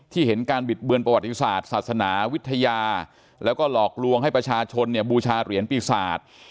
เห็นการบิดเบือนประวัติศาสตร์ศาสนาวิทยาแล้วก็หลอกลวงให้ประชาชนเนี่ยบูชาเหรียญปีศาจ